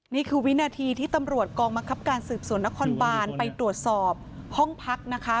นี่คือวินาทีที่ตำรวจกองบังคับการสืบสวนนครบานไปตรวจสอบห้องพักนะคะ